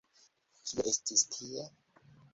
Kio estis tie?